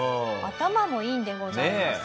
頭もいいんでございます。